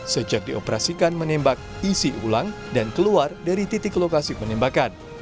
sejak dioperasikan menembak isi ulang dan keluar dari titik lokasi penembakan